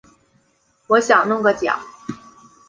我想弄个奖